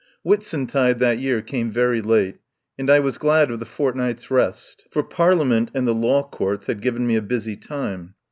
Whitsuntide that year came very late, and I was glad of the fortnight's rest, for Parlia ment and the Law Courts had given me a busy time.